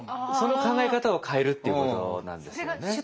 その考え方を変えるっていうことなんですよね。